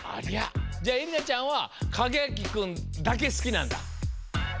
じゃあえりなちゃんはかげあきくんだけすきなんだ？